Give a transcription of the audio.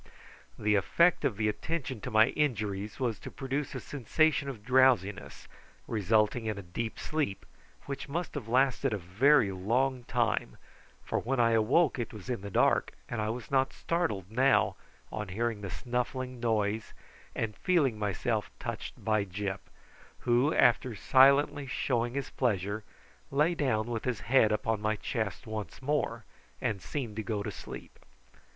The effect of the attention to my injuries was to produce a sensation of drowsiness, resulting in a deep sleep, which must have lasted a very long time, for when I awoke it was in the dark, and I was not startled now on hearing the snuffling noise and feeling myself touched by Gyp, who, after silently showing his pleasure, lay down with his head upon my chest once more, and seemed to go to sleep.